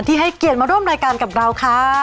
ให้เกียรติมาร่วมรายการกับเราค่ะ